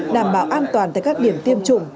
đảm bảo an toàn tại các điểm tiêm chủng